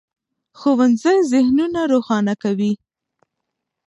ښوونځی ذهنونه روښانه کوي.